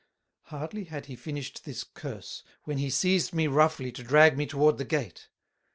Hardly had he finished this Curse, when he seized me roughly to drag me toward the Gate.